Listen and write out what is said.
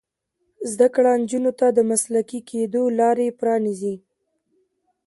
زده کړه نجونو ته د مسلکي کیدو لار پرانیزي.